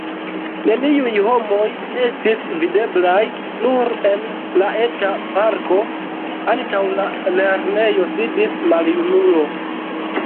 Neniuj homoj estis videblaj, nur en la eta parko, antaŭ la lernejo, sidis maljunulo.